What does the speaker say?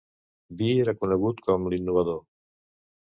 Bee era conegut com "l'innovador".